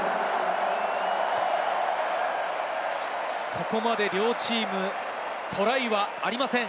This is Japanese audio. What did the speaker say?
ここまで両チーム、トライはありません。